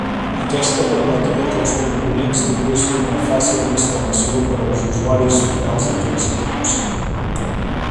Aquesta permetia que els components tinguessin una fàcil instal·lació per als usuaris finals d'aquests equips.